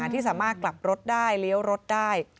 ที่สามารถกลับรถได้เลี้ยวรถได้